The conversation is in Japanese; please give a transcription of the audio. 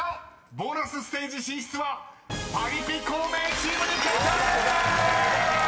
ボーナスステージ進出はパリピ孔明チームに決定！］